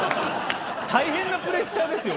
大変なプレッシャーですよ。